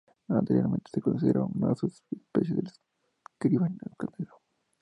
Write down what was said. Anteriormente se consideraba una subespecie del escribano canelo.